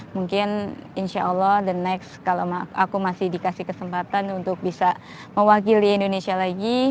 mungkin insya allah the next kalau aku masih dikasih kesempatan untuk bisa mewakili indonesia lagi